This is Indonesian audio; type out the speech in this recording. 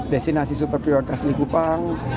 destinasi super prioritas likupang